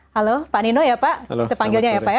halo pak nino ya pak kita panggilnya ya pak ya